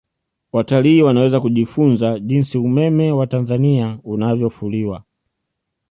watalii wanaweza kujifunza jinsi umeme wa tanzania unavyofuliwa